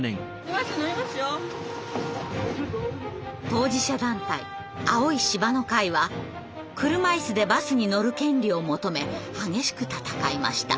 当事者団体「青い芝の会」は車いすでバスに乗る権利を求め激しく闘いました。